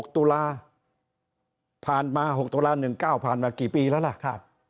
ตุลาผ่านมา๖ตุลา๑๙ผ่านมากี่ปีแล้วล่ะ